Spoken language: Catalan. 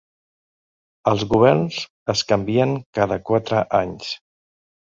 Els governs es canvien cada quatre anys.